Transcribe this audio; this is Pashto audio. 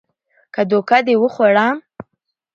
که دوکه دې وخوړه